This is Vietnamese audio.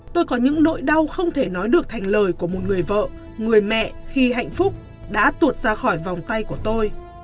tôi có những nỗi đau không thể nói được thành lời của một người vợ người mẹ khi hạnh phúc đã tuột ra khỏi vòng tay của tôi